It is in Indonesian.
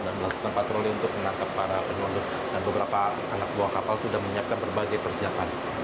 dan melakukan patroli untuk menangkap para penyelundup dan beberapa anak buah kapal sudah menyiapkan berbagai persiapan